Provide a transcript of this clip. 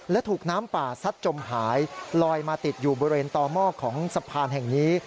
และถูกน้ำป่าซัดจมหายลอยมาติดอยู่บริเวณต่อหม้อของสะพานแห่งนี้